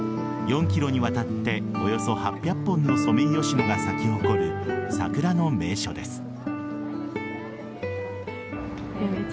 ４ｋｍにわたっておよそ８００本のソメイヨシノが咲き誇る桜の名所です。